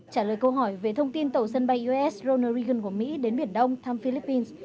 trả lời câu hỏi về thông tin tàu sân bay us ronald reagan của mỹ đến biển đông thăm philippines